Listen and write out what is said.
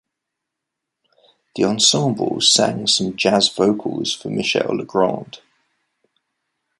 The ensemble sang some jazz vocals for Michel Legrand.